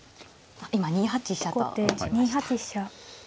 今２八飛車と打ちました。